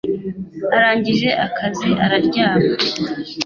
Arangije akazi araryama